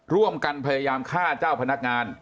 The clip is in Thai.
ร่วมกันพยายามฆ่าเจ้าพนักงาน